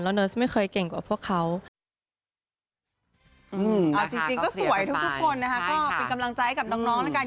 เป็นกำลังใจกับน้องนะครับ